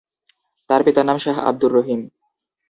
তার পিতার নাম শাহ্ আব্দুর রহিম।